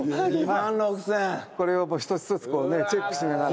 これを一つ一つチェックしながら。